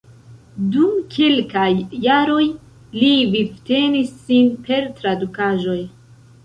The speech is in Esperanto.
Dum kelkaj jaroj li vivtenis sin per tradukaĵoj.